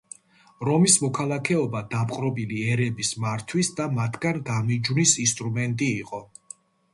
რომის მოქალაქეობა დაპყრობილი ერების მართვის და მათგან გამიჯვნის ინსტრუმენტი იყო.